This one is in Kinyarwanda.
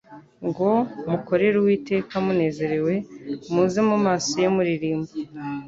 ngo: «Mukorere Uwiteka munezerewe, muze mu maso ye muririmba,